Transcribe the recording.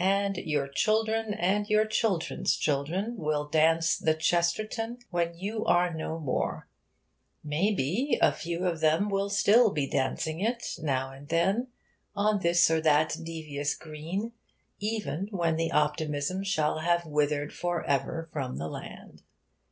And your children and your children's children will dance 'The Chesterton' when you are no more. May be, a few of them will still be dancing it now and then, on this or that devious green, even when optimism shall have withered for ever from the land.